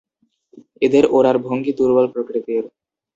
এদের ওড়ার ভঙ্গি দুর্বল প্রকৃতির।